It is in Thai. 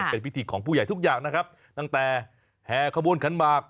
เป็นพิธีของผู้ใหญ่ทุกอย่างนะครับตั้งแต่แห่ขบวนขันหมาก